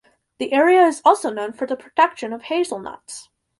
The area is also known for the production of hazelnuts.